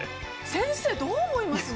先生どう思います？